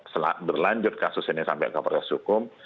berlanjut kasus ini sampai ke proses hukum